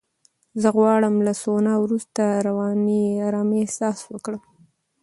زه غواړم له سونا وروسته رواني آرامۍ احساس کړم.